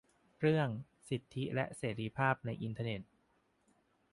เรื่อง "สิทธิและเสรีภาพในอินเทอร์เน็ต"